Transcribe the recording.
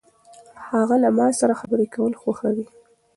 هغه له ما سره خبرې کول خوښوي.